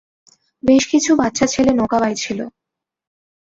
বেশকিছু বাচ্চা ছেলে নৌকা বাইছিলো।